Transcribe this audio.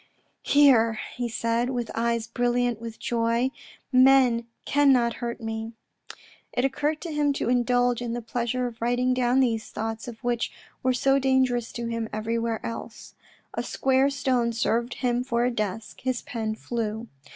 " Here," he said, " with eyes brilliant with joy, men cannot hurt me." It occurred to him to indulge in the pleasure of writing down those thoughts of his which were so dangerous to him everywhere else. A square stone served him for a desk ; his pen flew.